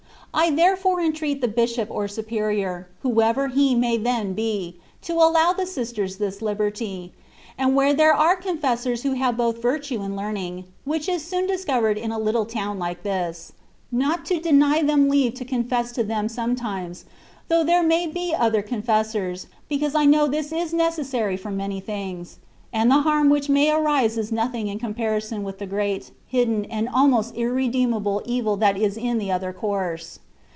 I therefore entreat the bishop or superior, whoever he may then be, to allow the sisters this liberty ; and where there are confessors who haveboth virtue andleaming (which is soon discovered in a little town like this),* not to deny them leave to confess to them sometimes, though there may be other confessors, because I know this is necessary for many things, and the harm which may arise is nothing in comparison with the great, hidden, and almost irremediable evil that is in the other course.